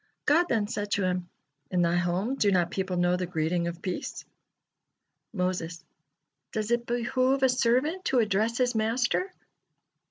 God then said to him: "In thy home, do not people know the greeting of peace?" Moses: "Does it behoove a servant to address his Master?"